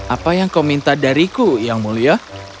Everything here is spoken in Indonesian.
apa yang kau minta dariku yang mulia